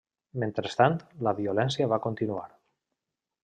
Mentrestant, la violència va continuar.